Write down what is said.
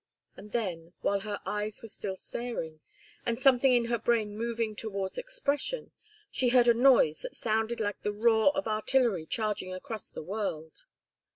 And then, while her eyes were still staring, and something in her brain moving towards expression, she heard a noise that sounded like the roar of artillery charging across the world.